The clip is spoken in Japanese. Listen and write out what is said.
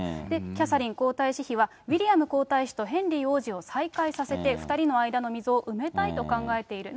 キャサリン皇太子妃は、ウィリアム皇太子とヘンリー王子を再会させて、２人の間の溝を埋めたいと考えている。